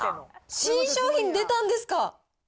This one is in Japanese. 新商品、出たんですか？